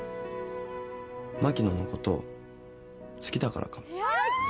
「牧野のこと好きだからかも」